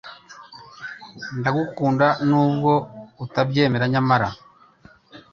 Ndagukunda nubwo utabyemera nyamara